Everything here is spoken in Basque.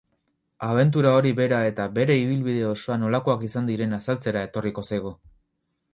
Abentura hori bera eta bere ibilbide osoa nolakoak izan diren azaltzera etorriko zaigu.